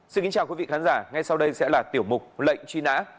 xin kính chào quý vị khán giả ngay sau đây sẽ là tiểu mục lệnh truy nã